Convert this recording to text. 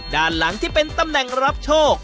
ด้านหลังที่เป็นตำแหน่งรับโชค